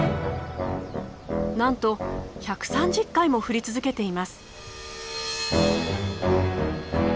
なんと１３０回も振り続けています。